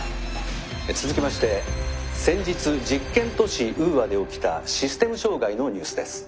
「続きまして先日実験都市ウーアで起きたシステム障害のニュースです。